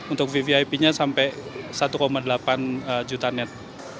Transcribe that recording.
untuk vvip nya sampai satu delapan juta net